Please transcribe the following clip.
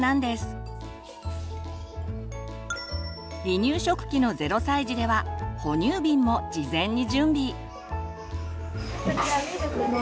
離乳食期の０歳児では哺乳瓶も事前に準備。